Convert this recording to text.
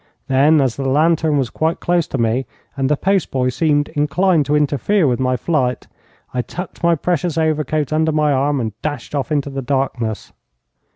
Then, as the lantern was quite close to me, and the post boy seemed inclined to interfere with my flight, I tucked my precious overcoat under my arm, and dashed off into the darkness.